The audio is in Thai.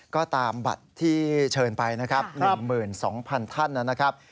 ก็ตามบัตรที่เชิญไปนะครับ๑๒๐๐๐ท่านนะครับ